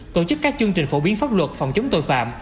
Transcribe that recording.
tổ chức các chương trình phổ biến pháp luật phòng chống tội phạm